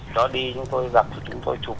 đó đi chúng tôi gặp chúng tôi chụp